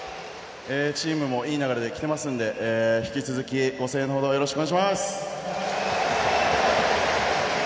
チームもいい流れできてますので引き続き、ご声援の程よろしくお願いします！